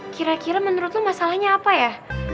kira kira menurut lo masalahnya apa ya